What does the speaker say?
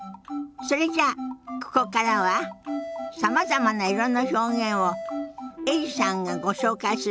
それじゃあここからはさまざまな色の表現をエリさんがご紹介するわよ。